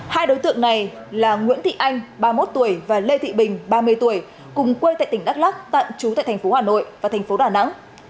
hai đối tượng này là nguyễn thị anh ba mươi một tuổi và lê thị bình ba mươi tuổi cùng quê tại tỉnh đắk lắc tạm trú tại thành phố hà nội và thành phố đà nẵng